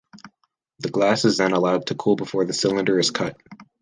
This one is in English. The glass is then allowed to cool before the cylinder is cut.